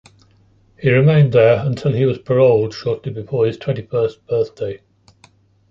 He remained there until he was paroled shortly before his twenty-first birthday.